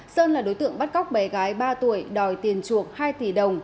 sơn là đối tượng bắt cóc bé gái ba tuổi đòi tiền chuộc hai tỷ đồng